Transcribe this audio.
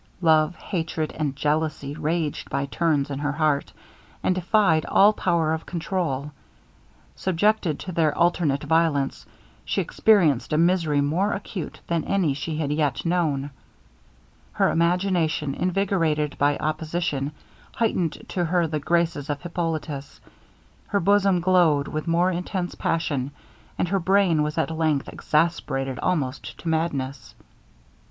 Love, hatred, and jealousy, raged by turns in her heart, and defied all power of controul. Subjected to their alternate violence, she experienced a misery more acute than any she had yet known. Her imagination, invigorated by opposition, heightened to her the graces of Hippolitus; her bosom glowed with more intense passion, and her brain was at length exasperated almost to madness.